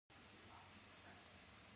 دغه شرکتونه لویه پانګه له خلکو راټولوي